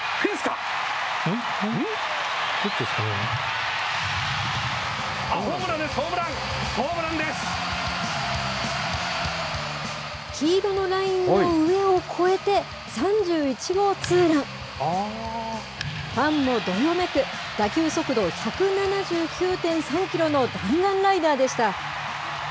ファンもどよめく、打球速度１７９．３キロの弾丸ライナーでした。